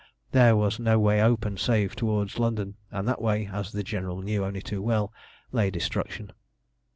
There was no way open save towards London, and that way, as the General knew only too well, lay destruction.